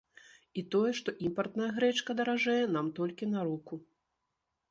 І тое, што імпартная грэчка даражэе, нам толькі на руку!